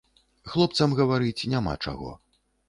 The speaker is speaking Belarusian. Хлопцам гаварыць няма чаго.